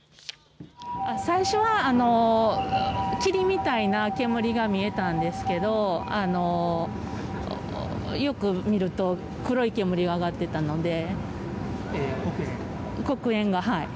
最初は霧みたいな煙が見えたんですけれどもよく見ると黒い煙が上がっていたので、黒煙が。